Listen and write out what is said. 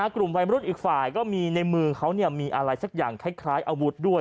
กลุ่มวัยมรุ่นอีกฝ่ายก็มีในมือเขามีอะไรสักอย่างคล้ายอาวุธด้วย